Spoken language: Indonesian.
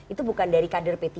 itu bukan dari kader p tiga